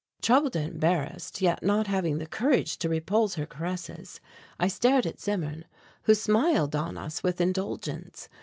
Troubled and embarrassed, yet not having the courage to repulse her caresses, I stared at Zimmern, who smiled on us with indulgence.